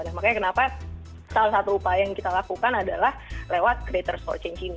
dan makanya kenapa salah satu upaya yang kita lakukan adalah lewat creators for change ini